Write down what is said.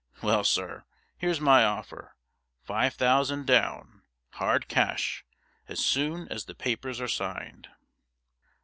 Well, sir, here's my offer: five thousand down, hard cash, as soon as the papers are signed.'